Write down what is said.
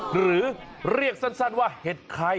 หรือเรียกสั้นว่าเห็ดไข่